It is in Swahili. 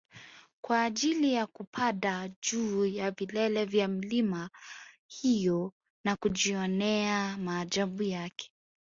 kwa ajili ya kupada juu ya vilele vya milima hiyo na kujionea maajabu yake